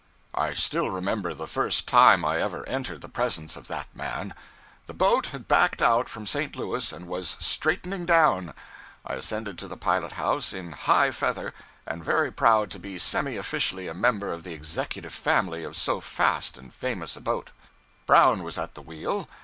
I still remember the first time I ever entered the presence of that man. The boat had backed out from St. Louis and was 'straightening down;' I ascended to the pilot house in high feather, and very proud to be semi officially a member of the executive family of so fast and famous a boat. Brown was at the wheel.